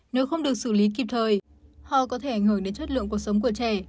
nếu không được xử lý kịp thời họ có thể ảnh hưởng đến chất lượng cuộc sống của trẻ